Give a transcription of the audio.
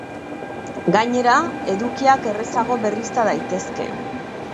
Gainera, edukiak errazago berrizta daitezke.